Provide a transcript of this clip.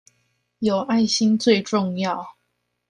有愛心最重要